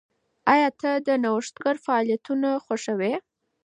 ایا ته نوښتګر فعالیتونه خوښوې؟